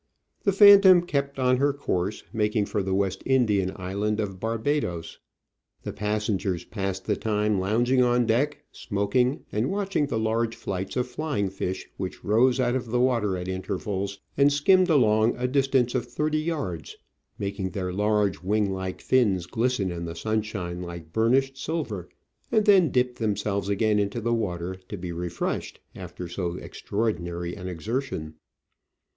The Phantom kept on her course, making for the West Indian island of Barbadoes. The pas sengers passed the time lounging on deck, smoking, and watching the large flights of flying fish which rose out of the water at intervals and skimmed along a distance of thirty yards, making their large wing like fins glisten in the sunshine like burnished silver, and then dipped themselves again into the water to be refreshed after so extraordinary an exertion.